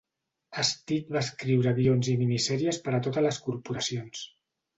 Stitt va escriure guions i minisèries per a totes les corporacions.